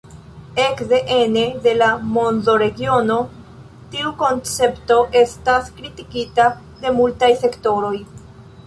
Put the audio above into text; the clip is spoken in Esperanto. Ekde ene de la mondoregiono, tiu koncepto estas kritikita de multaj sektoroj.